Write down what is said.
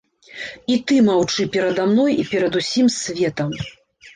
І ты маўчы перада мной і перад усім светам.